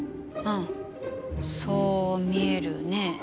うんそう見えるね。